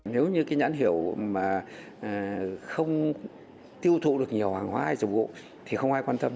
nếu như cái nhãn hiệu mà không tiêu thụ được nhiều hàng hóa hay dịch vụ thì không ai quan tâm